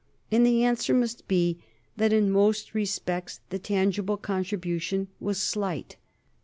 And the answer must be that in most respects the tangible contribution was slight.